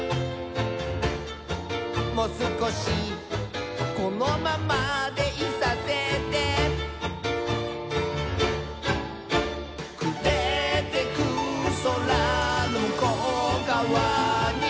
「もすこしこのままでいさせて」「くれてくそらのむこうがわに」